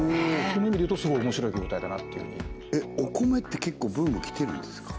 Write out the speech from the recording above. その意味で言うとすごい面白い業態だなっていうふうにお米って結構ブーム来てるんですか？